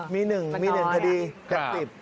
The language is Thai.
มี๑คดี๘๐